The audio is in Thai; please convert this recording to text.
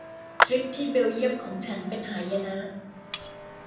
ทริปที่เบลเยี่ยมของฉันเป็นหายนะ